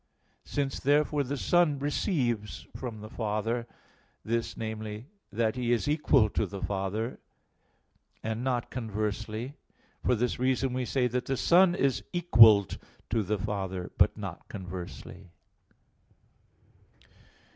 Since, therefore, the Son receives from the Father, this, namely, that He is equal to the Father, and not conversely, for this reason we say that the Son is equalled to the Father, but not conversely.